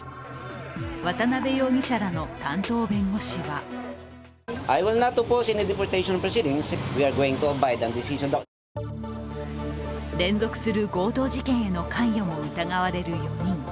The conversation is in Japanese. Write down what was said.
渡辺容疑者らの担当弁護士は連続する強盗事件への関与も疑われる４人。